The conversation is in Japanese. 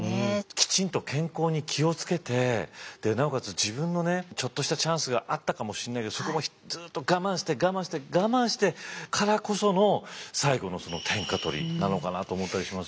きちんと健康に気を付けてなおかつ自分のちょっとしたチャンスがあったかもしんないけどそこもずっと我慢して我慢して我慢してからこその最後の天下取りなのかなと思ったりしますよね。